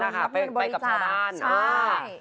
ไปกับชาวด้านใช่มีเงินบริจาคใช่